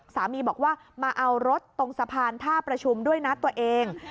สามีบอกว่ามาเอารถตรงสะพานท่าประชุมด้วยนะตัวเอง